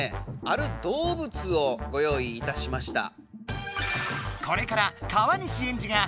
ある動物をご用意いたしました。